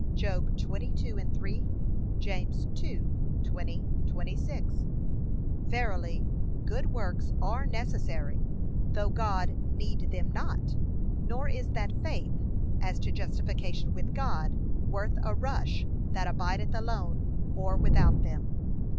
(Job 22:3; James 2:20, 26) Verily good works are necessary, though God need them not; nor is that faith, as to justification with God, worth a rush, that abideth alone, or without them.